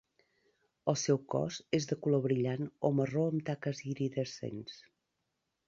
El seu cos és de color brillant o marró amb taques iridescents.